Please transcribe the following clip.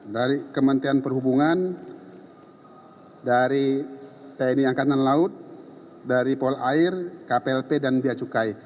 dari kementerian perhubungan dari tni angkatan laut dari polair kplp dan bia cukai